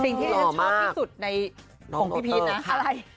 จริงสิ่งที่บทชอบที่สุดในพี่พีชค่ะ